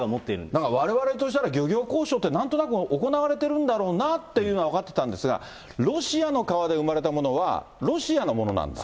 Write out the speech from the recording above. だからわれわれとしては漁業交渉ってなんとなく、行われてるんだろうなということは、分かってたんですが、ロシアの川で生まれたものは、ロシアのものなんだ？